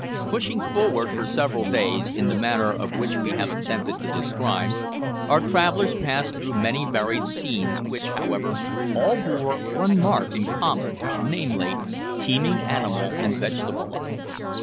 Pushing forward for several days in the manner which we have attempted to describe, our travellers passed through many varied scenes, which, however, all bore one mark in common, namely, teeming animal and vegetable life.